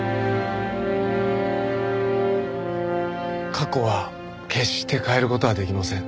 過去は決して変える事はできません。